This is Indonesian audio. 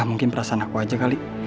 ah mungkin perasaan aku saja kali